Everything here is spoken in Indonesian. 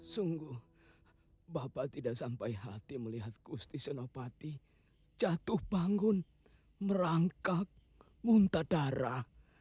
sungguh bapak tidak sampai hati melihat gusti senopati jatuh bangun merangkak munta darah